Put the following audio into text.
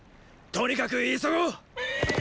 とにかく急ごう。